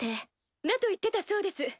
だと言ってたそうです。